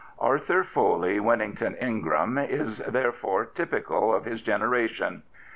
Arthur Foley Winnington Ingram is therefore typical of his generation.